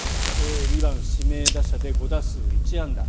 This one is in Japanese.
２番指名打者で５打数１安打。